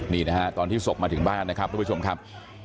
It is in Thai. นี่นะฮะตอนที่ศพมาถึงบ้านนะครับทุกผู้ชมครับ